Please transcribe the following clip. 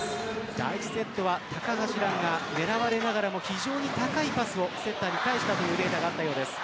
第１セットは高橋藍が狙われながらも非常に高いパスをセッターに回したデータがあったようです。